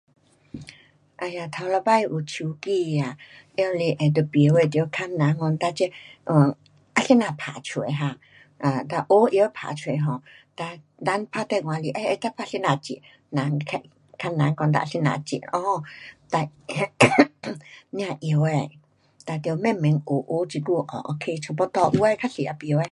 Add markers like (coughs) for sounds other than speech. um 第一次有手机按也不会按问人怎么打出去学会打出去人打电话来怎么接问人怎么接 (coughs) (unintelligible) 慢慢学学现在差不多有的多数也不会按